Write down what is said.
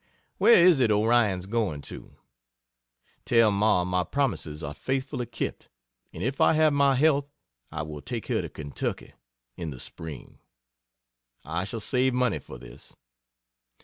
Where is it Orion's going to? Tell Ma my promises are faithfully kept, and if I have my health I will take her to Ky. in the spring I shall save money for this.